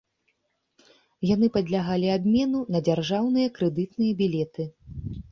Яны падлягалі абмену на дзяржаўныя крэдытныя білеты.